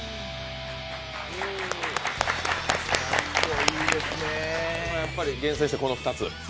かっこいいですねやっぱり厳選してこの２つ？